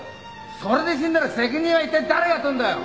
それで死んだら責任は一体誰が取るんだよ？